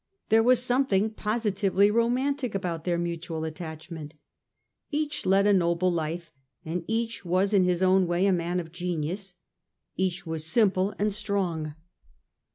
There was something positively romantic about their mutual attachment. Each led a noble life ; each was in his own way a man of genius ; each was simple and strong.